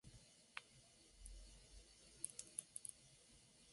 Generalmente, se le considera como el primer rey del Imperio Neo-asirio.